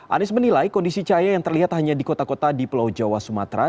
anies menilai kondisi cahaya yang terlihat hanya di kota kota di pulau jawa sumatera